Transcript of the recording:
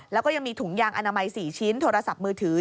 แล้วก็ยังมีถุงยางอนามัย๔ชิ้นโทรศัพท์มือถือ